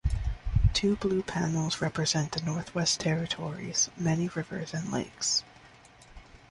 Two blue panels represent the Northwest Territories' many rivers and lakes.